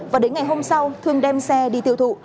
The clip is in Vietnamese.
và đến ngày hôm sau thương đem xe đi tiêu thụ